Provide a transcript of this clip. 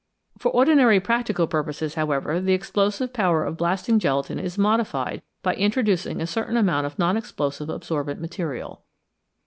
For ordinary practical purposes, however, the explosive power of blasting gelatine is modified by introducing a certain amount of non explosive absorbent material.